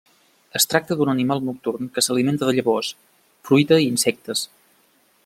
Es tracta d'un animal nocturn que s'alimenta de llavors, fruita i insectes.